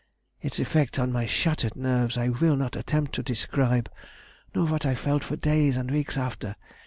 Its effect on my shattered nerves, I will not attempt to describe, nor what I felt for days and weeks after.